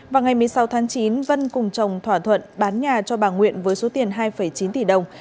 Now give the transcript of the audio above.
vào ngày một mươi sáu tháng chín vân cùng chồng thỏa thuận bán nhà cho bà nguyễn với số tiền hai chín tỷ đồng